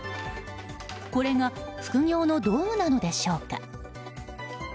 これが副業の道具なのでしょうか。